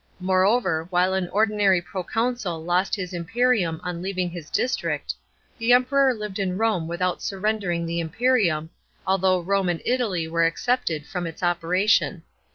Moreover, while an ordinary proconsul lost his imperium on leaving his district, the Emperor lived in Rome without surrendering tht imperium, although Rome and Italy were excepted from its operation.